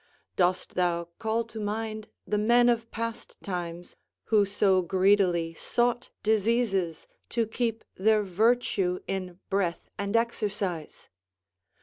Dost thou call to mind the men of past times, who so greedily sought diseases to keep their virtue in breath and exercise?